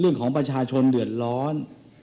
เรื่องของประชาชนเดือดร้อน